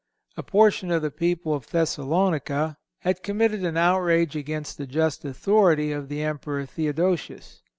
A portion of the people of Thessalonica had committed an outrage against the just authority of the Emperor Theodosius.